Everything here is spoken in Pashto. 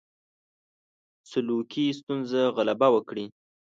سلوکي ستونزو غلبه وکړي.